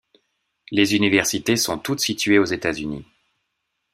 Les universités sont toutes situées aux États-Unis.